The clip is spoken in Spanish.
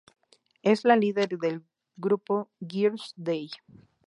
Es la líder del grupo Girl's Day.